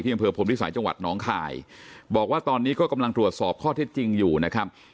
อำเภอพรมพิสัยจังหวัดน้องคายบอกว่าตอนนี้ก็กำลังตรวจสอบข้อเท็จจริงอยู่นะครับ